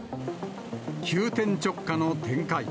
急転直下の展開。